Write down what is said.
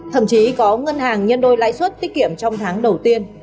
thậm chí có ngân hàng nhân đôi lãi suất tiết kiệm trong tháng đầu tiên